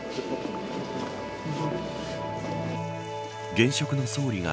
現職の総理が